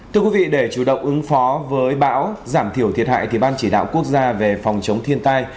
thưa quý vị để chủ động ứng phó với bão giảm thiểu thiệt hại thì ban chỉ đạo quốc gia về phòng chống thiên tai